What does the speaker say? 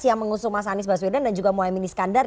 yang mengusung mas anies baswedan dan juga mohaimin iskandar